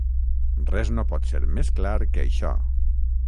Res no pot ser més clar que això.